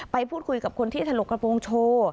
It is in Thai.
ไปพูดคุยกับคนที่ถลกกระโปรงโชว์